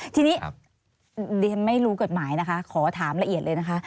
ทีนี้เรียนไม่รู้กฎหมายนะคะขอถามละเอียดเลยนะคะ